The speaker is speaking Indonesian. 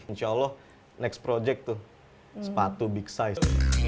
insya allah next project tuh sepatu big size